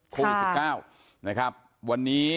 คงสิบเก้านะครับวันนี้